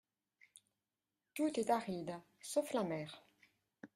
Tout est aride, sauf la mer.